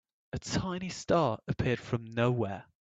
A tiny star appeared from nowhere.